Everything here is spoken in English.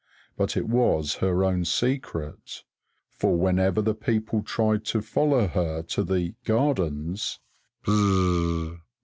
But it was her own secret; for whenever the people tried to follow her to the "Gardens," _whir!